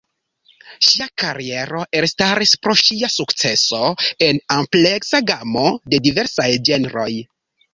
Ŝia kariero elstaris pro ŝia sukceso en ampleksa gamo de diversaj ĝenroj.